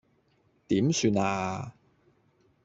點算呀